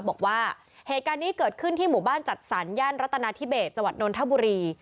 บอกว่าเหตุการณ์นี้เกิดขึ้นที่หมู่บ้านจัดสรรย่านรัตนาธิเบสจังหวัดนนทบุรี